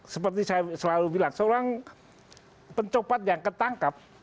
seperti saya selalu bilang seorang pencopat yang ketangkep